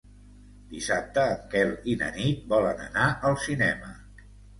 Dissabte en Quel i na Nit volen anar al cinema.